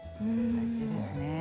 大事ですね。